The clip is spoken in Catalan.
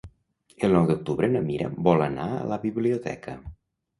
El nou d'octubre na Mira vol anar a la biblioteca.